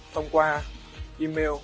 thông qua email